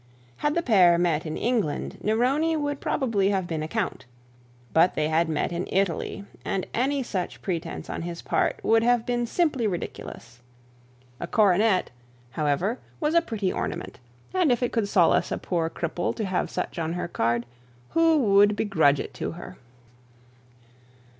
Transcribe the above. Had the pair met in England Neroni would probably have been a count; but they had met in Italy, and any such pretence on his part would have been simply ridiculous. A coronet, however, was a pretty ornament, and if it could solace a poor cripple to have such on her card, who could begrudge it to her?